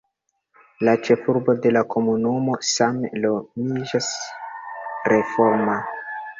La ĉefurbo de la komunumo same nomiĝas Reforma.